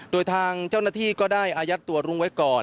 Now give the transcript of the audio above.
โดยทางเจ้าหน้าที่ก็ได้อายัดตัวลุงไว้ก่อน